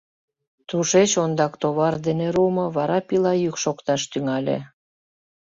Тушеч ондак товар дене руымо, вара пила йӱк шокташ тӱҥале.